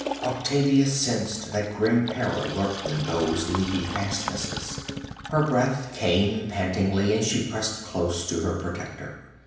Octavia sensed that grim peril lurked in those leafy fastnesses. Her breath came pantingly and she pressed close to her protector.